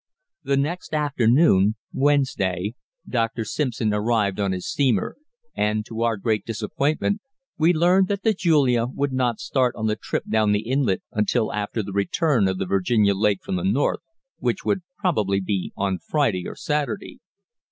The next afternoon (Wednesday) Dr. Simpson arrived on his steamer, and, to our great disappointment, we learned that the Julia would not start on the trip down the inlet until after the return of the Virginia Lake from the north, which would probably be on Friday or Saturday.